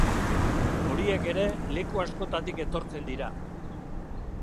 Horiek ere leku askotatik etortzen dira.